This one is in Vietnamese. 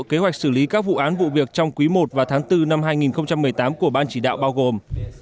kế hoạch xử lý các vụ án vụ việc trong quý i và tháng bốn năm hai nghìn một mươi tám của ban chỉ đạo bao gồm